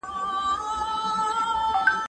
که وخت وي، مړۍ خورم؟